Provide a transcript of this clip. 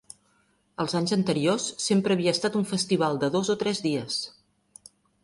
Els anys anteriors sempre havia estat un festival de dos o tres dies.